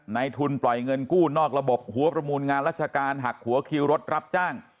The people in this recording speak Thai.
ในทุนปล่อยเงินกู้นอกระบบหัวประมูลงานราชการหักหัวคิวรถรับจ้าง